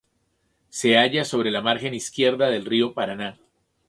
Se halla sobre la margen izquierda del río Paraná.